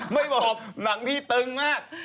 ไม่บอกหนังพี่ตึงมาก